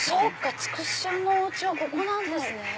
つくしちゃんのおうちはここなんですね。